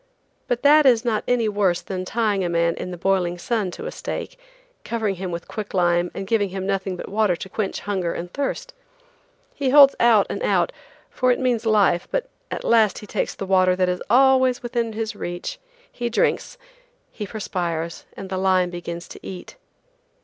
But that is not any worse than tying a man in the boiling sun to a stake, covering him with quick lime and giving him nothing but water to quench hunger and thirst. He holds out and out, for it means life, but at last he takes the water that is always within his reach. He drinks, he perspires, and the lime begins to eat.